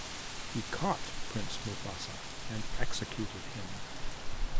He caught Prince Mustafa and executed him.